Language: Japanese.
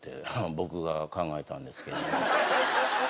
僕が考えたんですけど。